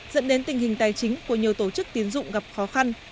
dẫn đến tình hình tài chính của nhiều tổ chức tiến dụng gặp khó khăn